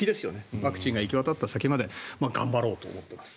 ワクチンが行き渡った先まで頑張ろうと思っています。